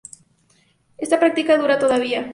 Esta práctica dura todavía.